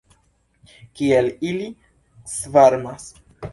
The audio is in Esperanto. Kiel ili svarmas!